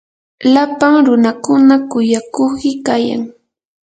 lapan runakuna kuyakuqi kayan.